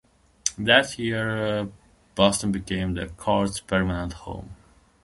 That year, Boston became the court's permanent home.